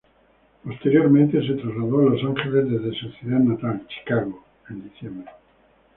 Posteriormente se trasladó a Los Ángeles desde su ciudad natal, Chicago, en diciembre.